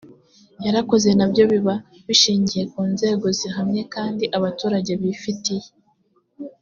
yarakoze na byo biba bishingiye ku nzego zihamye kandi abaturage bafitiye